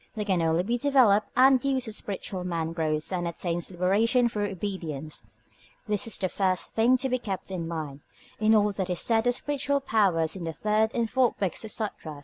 They can only be developed and used as the spiritual man grows and attains liberation through obedience. This is the first thing to be kept in mind, in all that is said of spiritual powers in the third and fourth books of the Sutras.